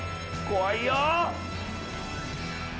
怖いよ！